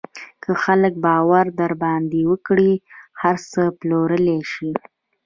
که خلک باور در باندې وکړي، هر څه پلورلی شې.